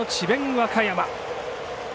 和歌山。